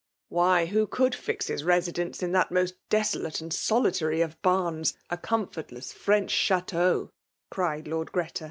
" Why, who could fix his residence in that most desolate and solitary of bams, a comfort less French chftteau r cried Lord Greta.